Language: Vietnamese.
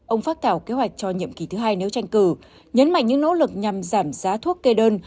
ông phát thảo kế hoạch cho nhiệm kỳ thứ hai nếu tranh cử nhấn mạnh những nỗ lực nhằm giảm giá thuốc kê đơn